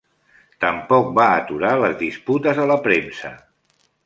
Tampoc va aturar les disputes a la premsa.